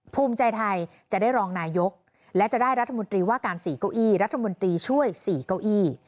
ภูมิใจไทยจะได้รองนายกและจะได้รัฐมนตรีว่าการ๔เก้าอี้รัฐมนตรีช่วย๔เก้าอี้